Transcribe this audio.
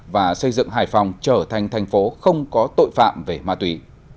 và xây dựng hải phòng trở thành thành phố không có tội phạm về ma túy